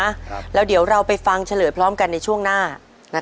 ครับแล้วเดี๋ยวเราไปฟังเฉลยพร้อมกันในช่วงหน้านะคะ